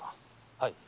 はい。